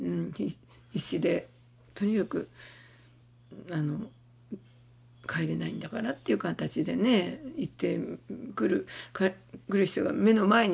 必死でとにかく帰れないんだからっていう形でね言ってくる人が目の前にいればね